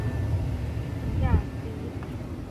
อย่างจี๊ด